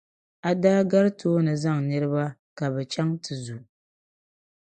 O daa gari tooni zaŋ niriba ka bɛ chaŋ ti zu.